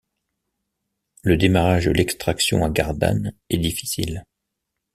Le démarrage de l'extraction à Gardanne est difficile.